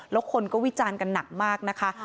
แล้วคนก็วิจารณ์กันหนักมากนะคะ